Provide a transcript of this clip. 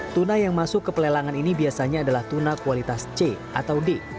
tuna yang masuk ke pelelangan ini biasanya adalah tuna kualitas c atau d